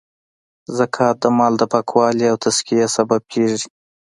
زکات د مال د پاکوالې او تذکیې سبب کیږی.